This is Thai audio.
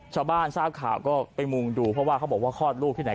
ทราบข่าวก็ไปมุงดูเพราะว่าเขาบอกว่าคลอดลูกที่ไหน